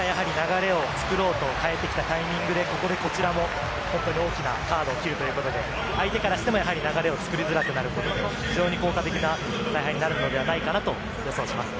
相手が流れを作ろうと代えてきたタイミングで、ここでこちらも大きなカードを切るということで相手からしても、やはり流れを作りづらくなることを非常に効果的な采配になるのではないかと予想します。